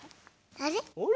あれ？